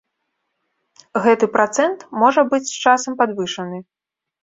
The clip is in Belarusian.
Гэты працэнт можа быць з часам падвышаны.